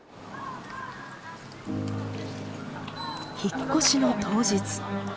引っ越しの当日。